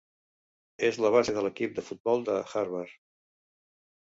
És la base de l'equip de futbol de Harvard.